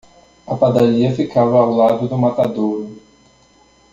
A padaria ficava ao lado do matadouro.